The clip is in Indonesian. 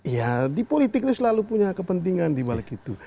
ya di politik ini selalu punya kepentingan di balik itu